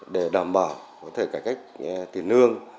để đảm bảo có thể cải cách tiền lương